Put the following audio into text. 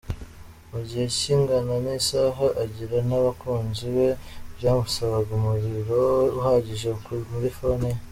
Mugihe kingana n’isaha aganira n’abakunzi be byamusabaga umuriro uhagije muri Fone ye.